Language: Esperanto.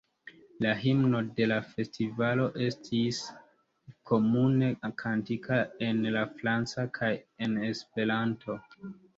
La himno de la festivalo estis komune kantita en la franca kaj en Esperanto.